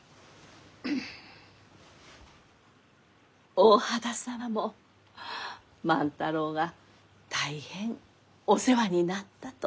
大畑様も万太郎が大変お世話になったと。